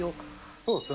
そうですね。